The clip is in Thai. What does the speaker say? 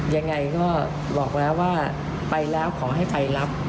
ยังไงก็บอกแล้วว่าไปแล้วขอให้ไปรับ